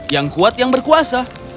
yang kuat yang berkuasa